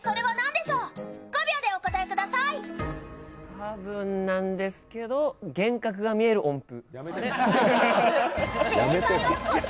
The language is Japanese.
多分なんですけど、幻覚が見える音譜。